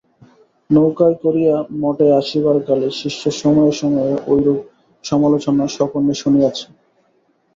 নৌকায় করিয়া মঠে আসিবার কালে শিষ্য সময়ে সময়ে ঐরূপ সমালোচনা স্বকর্ণে শুনিয়াছে।